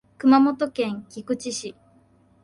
熊本県菊池市